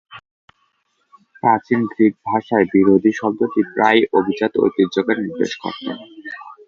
প্রাচীন গ্রিক ভাষায় "বিরোধী" শব্দটি প্রায়ই অভিজাত ঐতিহ্যকে নির্দেশ করত।